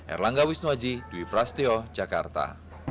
erlangga wisnuaji dwi prasetyo jakarta